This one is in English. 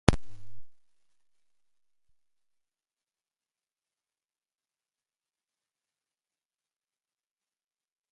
From him, Rivero inherited his blond hair and his first name.